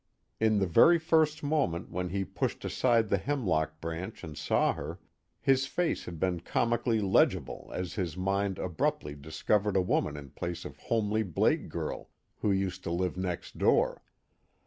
In the very first moment, when he pushed aside the hemlock branch and saw her, his face had been comically legible as his mind abruptly discovered a woman in place of Homely Blake Girl Who Used to Live Next Door.